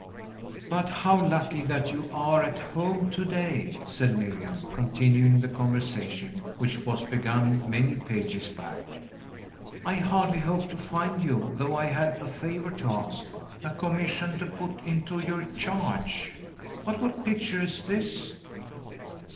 "But how lucky that you are at home today," said Miriam, continuing the conversation which was begun, many pages back. "I hardly hoped to find you, though I had a favor to ask, a commission to put into your charge. But what picture is this?"